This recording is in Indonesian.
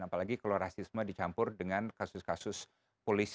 dan apalagi kalau rasisme dicampur dengan kasus kasus politik